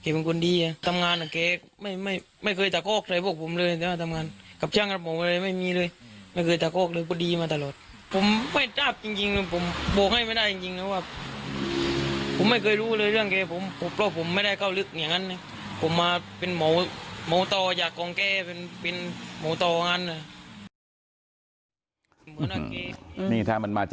ผมไม่เคยรู้เลยเรื่องแกผมไม่ได้เข้าลึกอย่างง่ั้นนะ